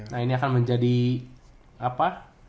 nah ini akan menjadi apa